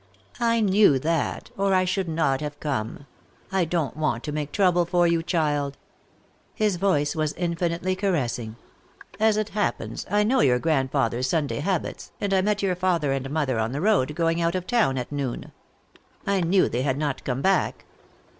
"I knew that, or I should not have come. I don't want to make trouble for you, child." His voice was infinitely caressing. "As it happens, I know your grandfather's Sunday habits, and I met your father and mother on the road going out of town at noon. I knew they had not come back."